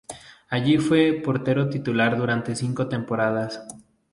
Allí fue portero titular durante cinco temporadas.